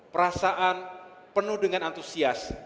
perasaan penuh dengan antusias